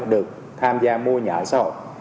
được tham gia mua nhà ở xã hội